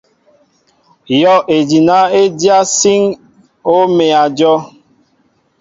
Yɔʼejina e dyá síŋ hɔʼ e mέa jom.